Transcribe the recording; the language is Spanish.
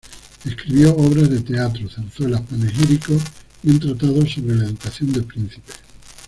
Escribió obras de teatro, zarzuelas, panegíricos y un tratado sobre la educación de príncipes.